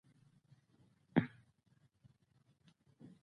خو جنت کې اولي د مَيو څاڅکی